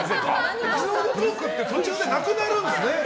エピソードトークって途中でなくなるんですね。